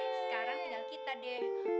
sekarang tinggal kita deh